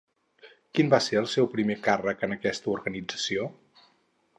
Quin va ser el seu primer càrrec en aquesta organització?